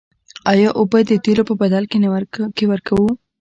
آیا اوبه د تیلو په بدل کې ورکوو؟